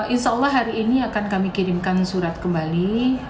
insya allah hari ini akan kami kirimkan surat kembali